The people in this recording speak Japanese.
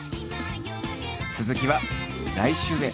続きは来週で。